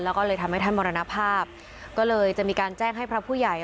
แล้วก็เลยทำให้ท่านมรณภาพก็เลยจะมีการแจ้งให้พระผู้ใหญ่